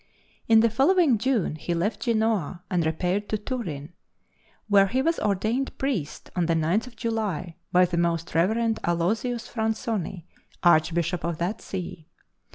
In the following June he left Genoa and repaired to Turin, where he was ordained priest on the 9th of July by the Most Rev. Aloysius Fransoni, Archbishop of that See.